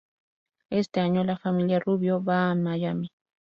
Este año, la familia Rubio va a Miami.